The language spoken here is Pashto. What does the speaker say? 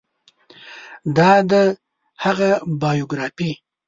دا دی هغه بایوګرافي